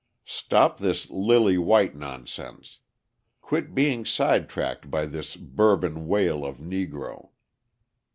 Stop this "lily white" nonsense. Quit being sidetracked by this Bourbon wail of Negro.